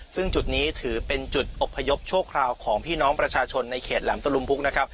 ซึ่งจุดนี้ถือเป็นจุดอบพยพชั่วคราวของพี่น้องประชาชนในเขตแหลมตะลุมพุกนะครับ